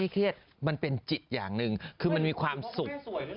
ก็มีความสุข